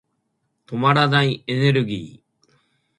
止まらないエネルギー。